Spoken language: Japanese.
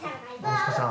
息子さん